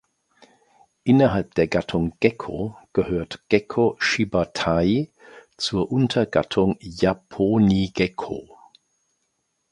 Innerhalb der Gattung "Gekko" gehört "Gekko shibatai" zur Untergattung "Japonigekko".